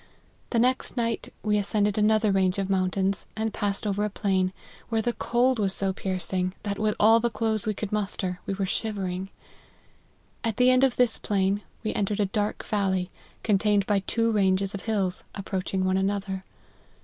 The next night we ascended another range of mountains, and passed over a plain, where the cold was so piercing, that with all the clothes we could muster, we were shivering. At the end of this plain, we entered a dark valley, contained by two ranges of hills, approaching one another.